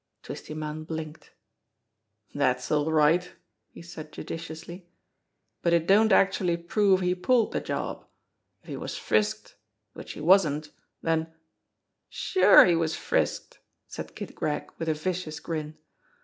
Twisty Munn blinked. "Dat's all right," he said judicially ; "but it don't actually prove he pulled de job. If he was frisked, which he wasn't, den " "Sure, he was frisked!" said Kid Gregg with a vicious grin.